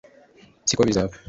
si ko bizaba